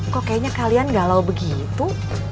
kok kayaknya kalian galau begitu